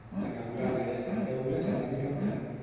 La teulada és de teula ceràmica plana.